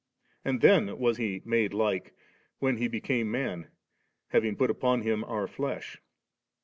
' And then was He ' made like,' when He became man, having put upon Him our flesh.